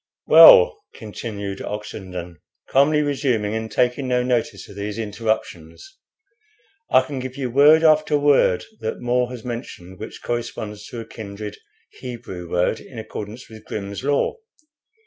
"Well," continued Oxenden, calmly resuming, and taking no notice of these interruptions, "I can give you word after word that More has mentioned which corresponds to a kindred Hebrew word in accordance with 'Grimm's Law.'